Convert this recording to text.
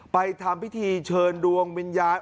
ทำพิธีเชิญดวงวิญญาณ